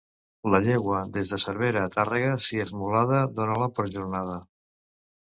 La llegua, des de Cervera a Tàrrega, si és mulada dona-la per jornada.